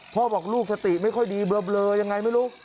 บอกลูกสติไม่ค่อยดีเบลอยังไงไม่รู้